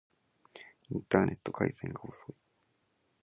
インターネット回線が遅い